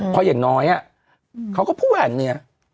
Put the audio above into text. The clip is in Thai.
เพราะอย่างน้อยเขาก็พูดว่าอันนี้